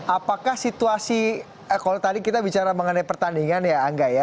apakah situasi kalau tadi kita bicara mengenai pertandingan ya angga ya